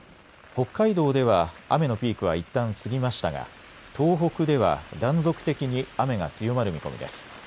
北海道では雨のピークはいったん過ぎましたが、東北では断続的に雨が強まる見込みです。